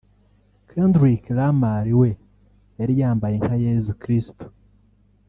Kendrick Lamar we yari yambaye nka Yezu Kristu